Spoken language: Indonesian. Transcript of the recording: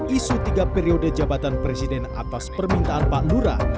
isu tiga periode jabatan presiden atas permintaan pak lura